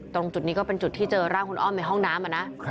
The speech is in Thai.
ตรงจุดนี้ก็เป็นจุดที่เจอร่างคุณอ้อมในห้องน้ำ